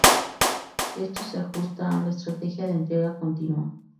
Esto se ajusta a la estrategia de entrega continua.